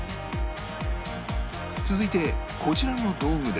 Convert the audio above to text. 続いてこちらの道具で